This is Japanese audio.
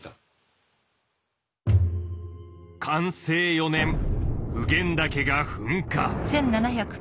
寛政４年普賢岳が噴火。